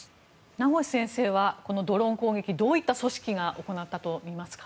名越先生はこのドローン攻撃どういった組織が行ったとみますか。